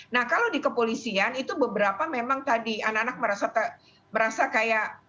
nah kalau di kepolisian itu beberapa memang tadi anak anak merasa kayak